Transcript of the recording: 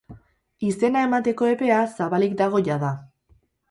Izena emateko epea zabalik dago jada.